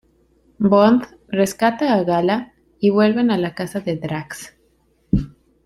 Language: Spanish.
Bond rescata a Gala y vuelven a la casa de Drax.